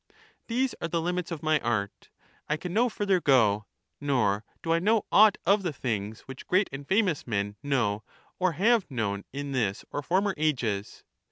These are the limits of my art ; I can no further go, nor do I know aught of the things which great and famous men know or have known in this or former ages.